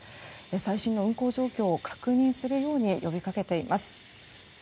最近の運航状況を確認するように呼びかけています。